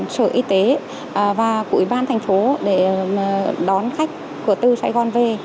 sở y tế và của ủy ban thành phố để đón khách của từ sài gòn về